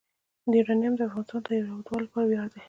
یورانیم د افغانستان د هیوادوالو لپاره ویاړ دی.